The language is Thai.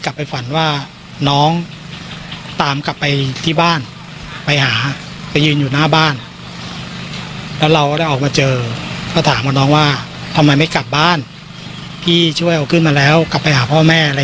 ก็ถามว่าน้องว่าทำไมไม่กลับบ้านพี่ช่วยเอาขึ้นมาแล้วกลับไปหาพ่อแม่อะไร